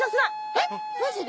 えっマジで？